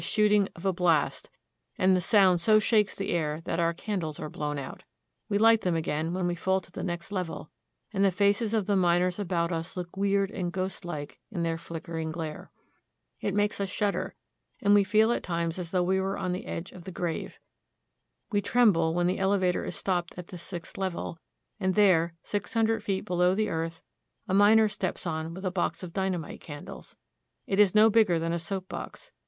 25 1 shooting of a blast, and the sound so shakes the air that our candles are blown out. We light them again when we fall to the next level, and the faces of the miners about us look weird and ghostlike in their flickering glare. It makes us shudder, and we feel at times as though we were on the edge of the grave. We tremble when the elevator is stopped at the sixth level, and there, six hun dred feet below the earth, a miner steps on with a box of dynamite candles. It is no bigger than a soap box.